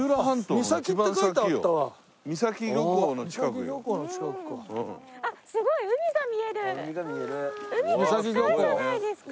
海が近いじゃないですか！